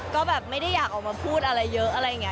ก็ไม่ได้อยากออกมาพูดอะไรเยอะ